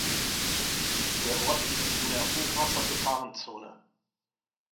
Der Ort liegt in der Hochwasser-Gefahrenzone.